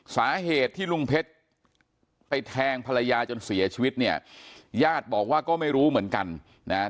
สาเหตุที่ลุงเพชรไปแทงภรรยาจนเสียชีวิตเนี่ยญาติบอกว่าก็ไม่รู้เหมือนกันนะฮะ